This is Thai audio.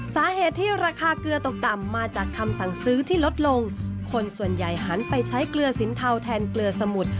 สาเหตุที่ราคาเกลือตกต่ำมาจากคำสั่งซื้อที่ลดลงคนส่วนใหญ่หันไปใช้เกลือสินเทาแทนเกลือสมุด